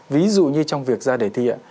ví dụ như trong việc ra đề thi ạ